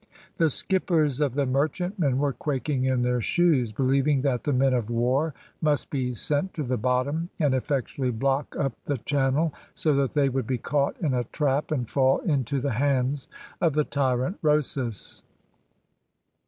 The skippers of the merchantmen were quaking in their shoes, believing that the men of war must be sent to the bottom and effectually block up the channel, so that they would be caught in a trap and fall into the hands of the tyrant Rosas.